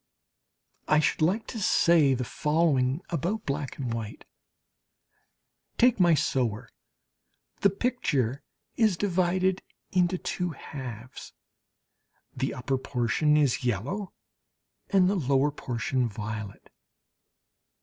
I should like to say the following about black and white: take my "Sower"! The picture is divided into two halves, the upper portion is yellow and the lower portion violet.